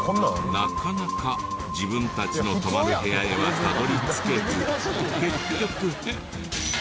なかなか自分たちの泊まる部屋へはたどり着けず結局。